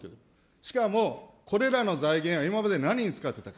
しかも、これらの財源は今まで何に使っていたか。